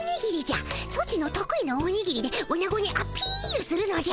ソチの得意のおにぎりでオナゴにアピールするのじゃ。